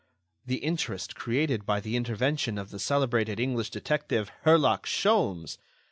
... The interest created by the intervention of the celebrated English detective, Herlock Sholmes!